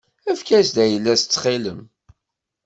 Efk-as-d ayla-s ttxil-m.